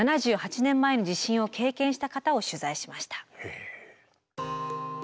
７８年前の地震を経験した方を取材しました。